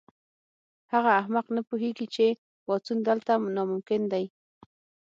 هغه احمق نه پوهیږي چې پاڅون دلته ناممکن دی